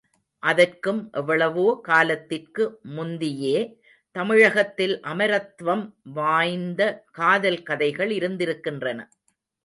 அதற்கும் எவ்வளவோ காலத்திற்கு முந்தியே தமிழகத்தில் அமரத்வம் வாய்ந்த காதல் கதைகள் இருந்திருக்கின்றன.